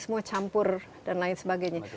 semua campur dan lain sebagainya